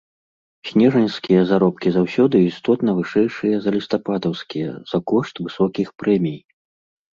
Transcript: Снежаньскія заробкі заўсёды істотна вышэйшыя за лістападаўскія за кошт высокіх прэмій.